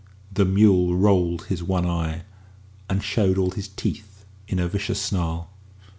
The mule rolled his one eye, and showed all his teeth in a vicious snarl.